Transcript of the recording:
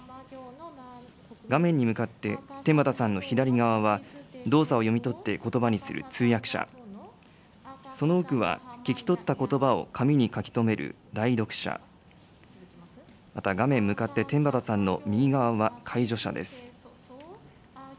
画面に向かって、天畠さんの左側は、動作を読み取ってことばにする通訳者、その奥は、聞き取ったことばを紙に書き留める代読者、また画面向かって天畠さんの右側は介助者です。